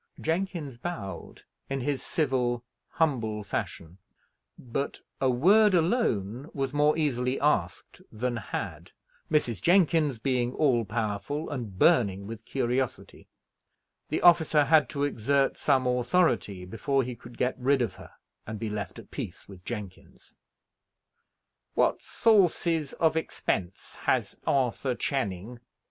Jenkins bowed, in his civil, humble fashion; but "a word alone" was more easily asked than had, Mrs. Jenkins being all powerful, and burning with curiosity. The officer had to exert some authority before he could get rid of her, and be left at peace with Jenkins. "What sources of expense has Arthur Channing?"